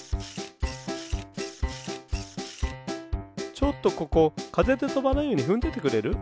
ちょっとここかぜでとばないようにふんどいてくれる？